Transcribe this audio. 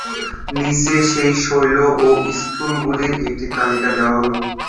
নিচে সেই শৈলী এবং স্কুলগুলির একটি তালিকা দেওয়া হল।